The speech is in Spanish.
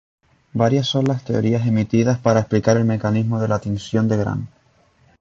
Varias son las teorías emitidas para explicar el mecanismo de la tinción de Gram.